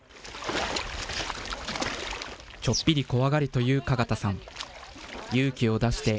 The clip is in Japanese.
ちょっぴり怖がりという加賀田さん。